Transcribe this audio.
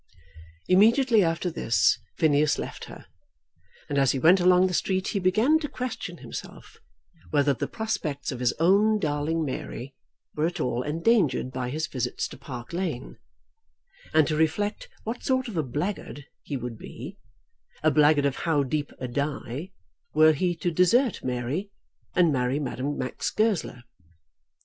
Immediately after this Phineas left her, and as he went along the street he began to question himself whether the prospects of his own darling Mary were at all endangered by his visits to Park Lane; and to reflect what sort of a blackguard he would be, a blackguard of how deep a dye, were he to desert Mary and marry Madame Max Goesler.